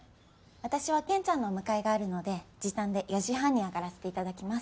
私は賢ちゃんのお迎えがあるので時短で４時半に上がらせて頂きます。